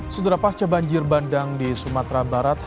setelah pasca banjir bandang di sumatera barat